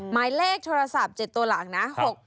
หมายเลขโทรศัพท์๗ตัวหลังนะ